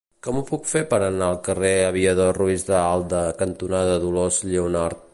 Com ho puc fer per anar al carrer Aviador Ruiz de Alda cantonada Dolors Lleonart?